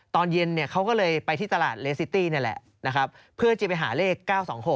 ตอนเย็นเขาก็เลยไปที่ตลาดเลสซิตี้นี่แหละนะครับเพื่อจะไปหาเลข๙๒๖